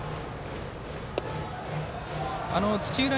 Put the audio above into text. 土浦